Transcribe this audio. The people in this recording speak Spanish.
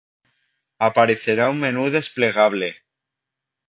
aparecerá un menú desplegable